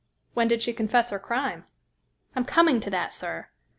"When did she confess her crime?" "I'm coming to that, sir.